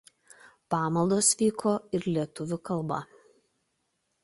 Pamaldos vyko ir lietuvių kalba.